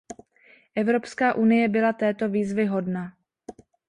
Evropská unie byla této výzvy hodna.